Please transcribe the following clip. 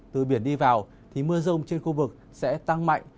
từ biển đi vào thì mưa rông trên khu vực sẽ tăng mạnh